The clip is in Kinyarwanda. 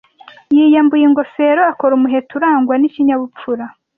Yiyambuye ingofero akora umuheto urangwa n'ikinyabupfura.